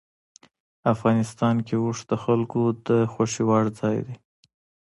افغانستان کې اوښ د خلکو د خوښې وړ ځای دی.